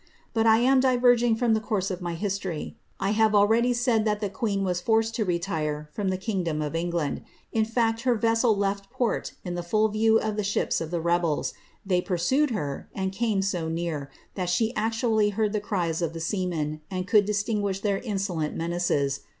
But I am diverging from the course <»f my history. I have already said that the queen was for« etl to retire from the kiiigtlom of England : in fact, her Vtti>!>ol left port in the full view of the rhips of the rebels; they pursued her, and came «<> near, that 5he acuially heard the cries of the seamcHf and could distin guish their in^lent menaces.